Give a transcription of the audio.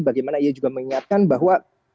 bagaimana ia juga mengingatkan bahwa